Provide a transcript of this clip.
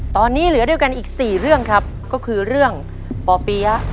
ตอนนี้เหลือด้วยกันอีก๔เรื่องครับก็คือเรื่องป่อเปี๊ยะ